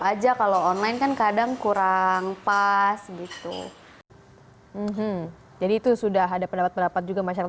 aja kalau online kan kadang kurang pas gitu jadi itu sudah ada pendapat pendapat juga masyarakat